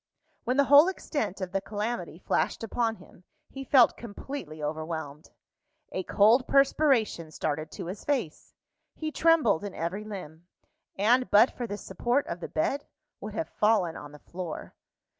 When the whole extent of the calamity flashed upon him, he felt completely overwhelmed. A cold perspiration started to his face; he trembled in every limb, and but for the support of the bed, would have fallen on the floor.